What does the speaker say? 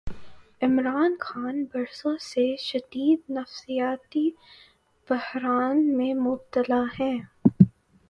عمران خان برسوں سے شدید نفسیاتی بحران میں مبتلا ہیں۔